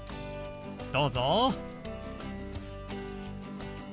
どうぞ。